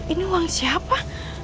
ini uang siapa